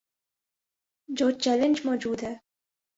جو چیلنج موجود ہے۔